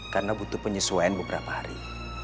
karena butuh penyesuaian beberapa hari